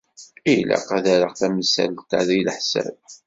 Ilaq ad rreɣ tamsalt-a deg leḥsab.